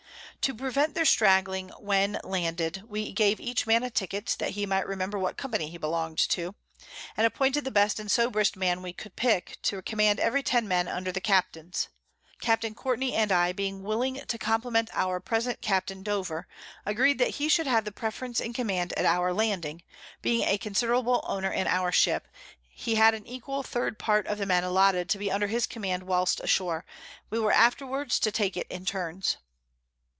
To prevent their stragling when landed, we gave each Man a Ticket, that he might remember what Company he belong'd to; and appointed the best and soberest Man we could pick to command every ten Men under the Captains. Capt. Courtney and I being willing to compliment our President Capt. Dover, agreed that he should have the Preference in Command at our Landing: being a considerable Owner in our Ship, he had an equal third part of the Men allotted to be under his Command whilst ashore; we were afterwards to take it in turns.